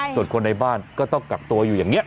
ส่วนคนในบ้านก็ต้องกักตัวอยู่อย่างนี้